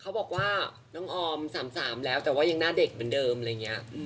เขาบอกว่าน้องออม๓๓แล้วแต่ว่ายังหน้าเด็กเหมือนเดิมอะไรอย่างนี้